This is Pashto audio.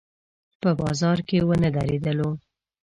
په بازار کې ونه درېدلو.